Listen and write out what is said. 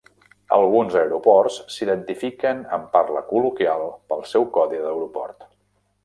Alguns aeroports s'identifiquen en parla col·loquial pel seu codi d'aeroport.